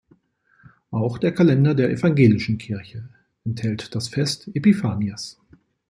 Auch der Kalender der evangelischen Kirche enthält das Fest Epiphanias.